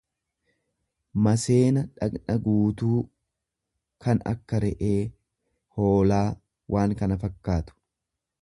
maseena dhaqna guutuu, kan akka re'ee, hoolaa waan kana fakkaatu.